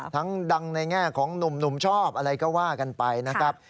ดังในแง่ของหนุ่มชอบอะไรก็ว่ากันไปนะครับ